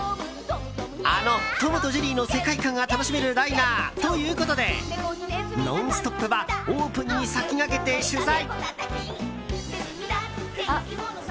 あの、「トムとジェリー」の世界観が楽しめるダイナーということで「ノンストップ！」はオープンに先駆けて取材。